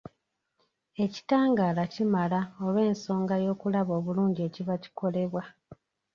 Ekitangaala kimala olw’ensonga y’okulaba obulungi ekiba kikolebwa.